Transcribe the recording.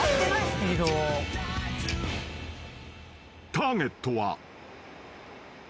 ［ターゲットは］